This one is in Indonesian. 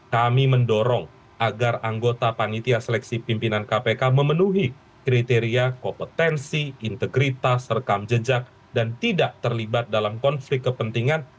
kami mendorong agar anggota panitia seleksi pimpinan kpk memenuhi kriteria kompetensi integritas rekam jejak dan tidak terlibat dalam konflik kepentingan